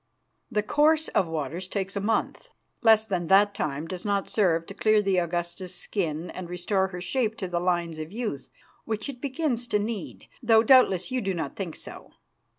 "The course of waters takes a month. Less than that time does not serve to clear the Augusta's skin and restore her shape to the lines of youth which it begins to need, though doubtless you do not think so.